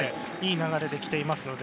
いい流れできています。